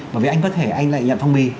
bởi vì anh có thể anh lại nhận phong mi